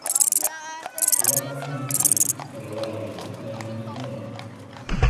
Routt County, Colorado is named in his honor.